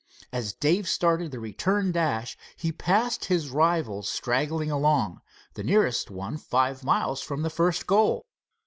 As Dave started the return dash, he passed his rivals straggling along, the nearest one five miles from the first goal.